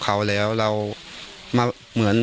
การแก้เคล็ดบางอย่างแค่นั้นเอง